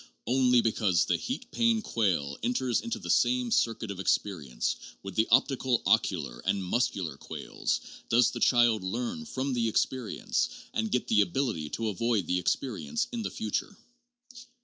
Only because the heat pain quale enters into the same circuit of experience with the optical ocular and muscular quales, does the child learn from the experience and get the ability to avoid the experience in the future.